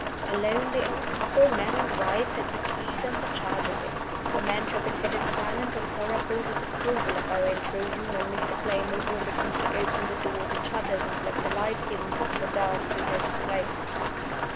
A lonely old couple, man and wife, had the keys and the charge of it. The man shook his head in silent and sorrowful disapproval of our intrusion when Mr. Playmore ordered him to open the doors and shutters, and let the light in on the dark, deserted place.